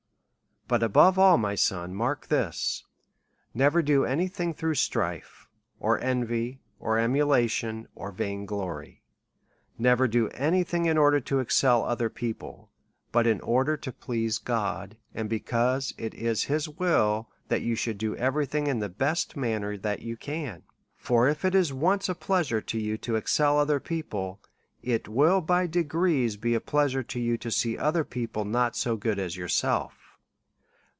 But above all, my sou, mark this ; never do any thin^ through strife, or envy, or emulation, or vain glory. Never do any thing in order to excel other people, but in order to please God^ and because it is his will, that you should do every thing in the best manner that you can. For if it is once a pleasure to you to excel other people, it will by degrees be a pleasure to you, to see other people not so good as yourself.